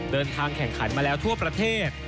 เดินทางแข่งขันมาแล้วทั่วประเทศ